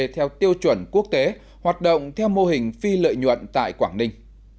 theo tiêu chuẩn quốc tế hoạt động theo mô hình phi lợi nhuận tại quảng ninh